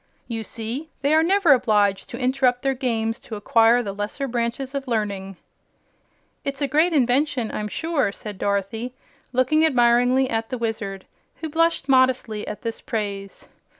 You see they are never obliged to interrupt their games to acquire the lesser branches of learning." "It's a great invention, I'm sure," said Dorothy, looking admiringly at the Wizard, who blushed modestly at this praise.